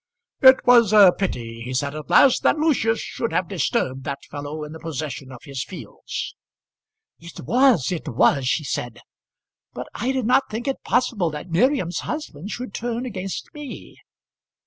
"It was a pity," he said, at last, "that Lucius should have disturbed that fellow in the possession of his fields." "It was; it was!" she said. "But I did not think it possible that Miriam's husband should turn against me.